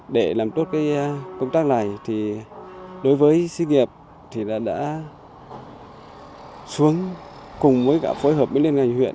để làm tốt công tác này đối với sĩ nghiệp thì đã xuống cùng với cả phối hợp với liên lạc ngành huyện